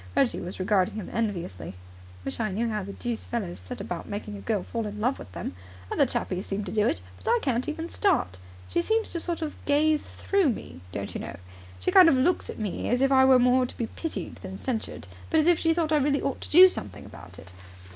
Reggie was regarding him enviously. "I wish I knew how the deuce fellows set about making a girl fall in love with them. Other chappies seem to do it, but I can't even start. She seems to sort of gaze through me, don't you know. She kind of looks at me as if I were more to be pitied than censured, but as if she thought I really ought to do something about it.